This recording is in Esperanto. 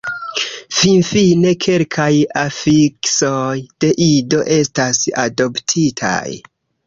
Finfine kelkaj afiksoj de Ido estas adoptitaj.